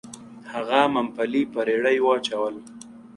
هغه ممپلي په رېړۍ واچول. .